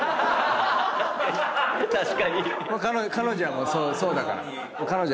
彼女はそうだから。